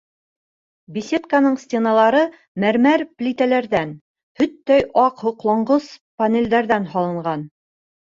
Беседканың стеналары мәрмәр плитәләрҙән, һөттәй аҡ һоҡланғыс панелдәрҙән һалынған.